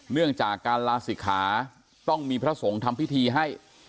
เนื่องจากการลาศิกขาต้องมีพระสงฆ์ทำพิธีให้